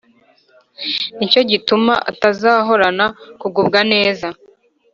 ni cyo gituma atazahorana kugubwa neza